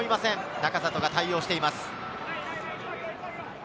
仲里が対応しています。